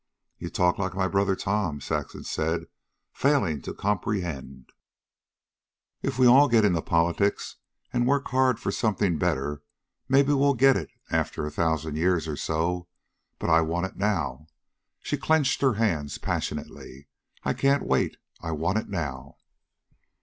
"You talk like my brother Tom," Saxon said, failing to comprehend. "If we all get into politics and work hard for something better maybe we'll get it after a thousand years or so. But I want it now." She clenched her hands passionately. "I can't wait; I want it now."